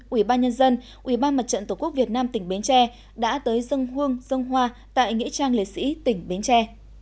ủy ban nhân dân ủy ban mặt trận tổ quốc việt nam tỉnh bến tre đã tới dân hương dân hoa tại nghĩa trang liệt sĩ tỉnh bến tre